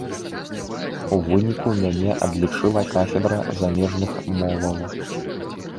У выніку мяне адлічыла кафедра замежных моваў.